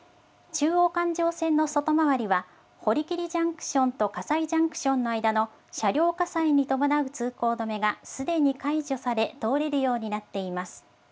中央環状線の外回りは、堀切ジャンクションと葛西ジャンクションの間の車両火災に伴う通行止めがすでに解除され、通れるようになっています。